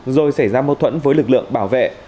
rồi xảy ra mâu thuẫn với lực lượng bảo vệ